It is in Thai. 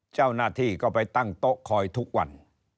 เจ้าหน้าที่ก็ไปตั้งโต๊ะคอยทุกวัน